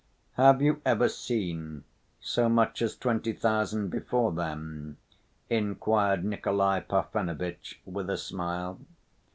"Have you ever seen so much as twenty thousand before, then?" inquired Nikolay Parfenovitch, with a smile.